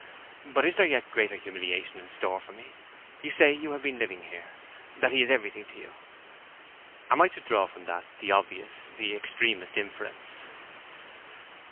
But is there a yet greater humiliation in store for me? You say you have been living here—that he is everything to you. Am I to draw from that the obvious, the extremest inference?"